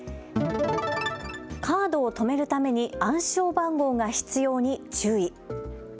カードを止めるために暗証番号が必要に注意。